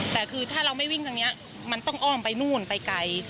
แต่คือถ้าเราไม่วิ่งทางนี้มันต้องอ้อมไปนู่นไปไกล